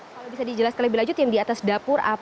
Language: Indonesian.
kalau bisa dijelaskan lebih lanjut yang di atas dapur